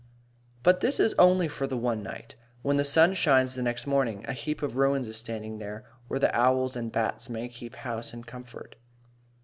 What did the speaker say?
But this is only for the one night. When the sun shines the next morning, a heap of ruins is standing there, where the owls and bats may keep house in comfort.